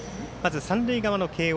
三塁側の慶応。